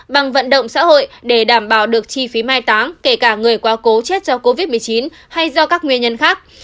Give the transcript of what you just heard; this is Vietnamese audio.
bằng vận động xã hội để đảm bảo được chi phí mai táng kể cả người quá cố chết do covid một mươi chín hay do các nguyên nhân khác